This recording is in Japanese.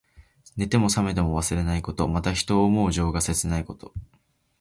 寝ても冷めても忘れないこと。また、人を思う情が切ないこと。